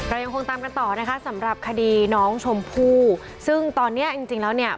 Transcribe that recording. ยังคงตามกันต่อนะคะสำหรับคดีน้องชมพู่ซึ่งตอนเนี้ยจริงจริงแล้วเนี่ย